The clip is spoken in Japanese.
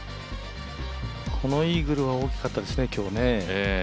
このイーグルは大きかったですね、今日ね。